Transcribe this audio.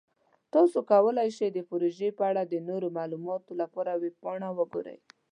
تاسو کولی شئ د پروژې په اړه د نورو معلوماتو لپاره ویب پاڼه وګورئ.